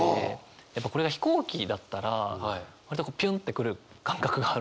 やっぱこれが飛行機だったら割とピュンって来る感覚があるのでそのやっぱ。